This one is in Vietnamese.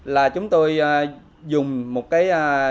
là chúng tôi dùng một cái